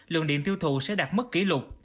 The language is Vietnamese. lượng điện tiêu thụ sẽ đạt mức kỷ lục